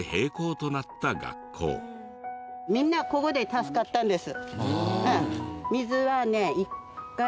みんなここで助かったんです。